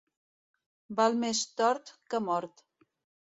Val més tort que mort.